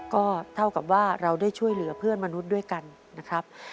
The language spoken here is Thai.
ก็เท่ากับว่าเราได้ช่วยเหลือเพื่อนมนุษย์ด้วยกันนะครับ